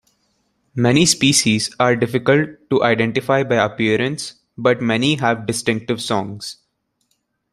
Many species are difficult to identify by appearance, but many have distinctive songs.